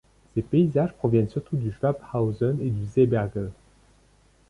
Ses paysages proviennent surtout de Schwabhausen et du Seeberge.